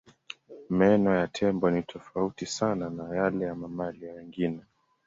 Meno ya tembo ni tofauti sana na yale ya mamalia wengine.